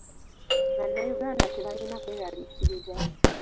Bannayuganda tebalina kweralikirira.